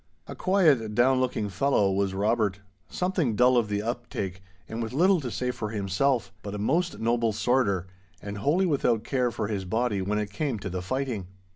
A quiet, down looking fellow was Robert, something dull of the uptake, and with little to say for himself; but a most noble sworder, and wholly without care for his body when it came to the fighting.